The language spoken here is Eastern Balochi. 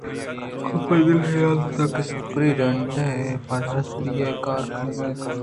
کاف دل ءَحیال کُت کہ سپرنٹنڈنٹ پہ ہُژّاری اے کارءَ کنگ ءَ اِنت